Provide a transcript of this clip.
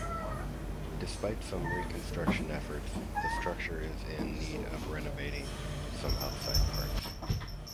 Despite some reconstruction efforts, the structure is in need of renovating some outside parts.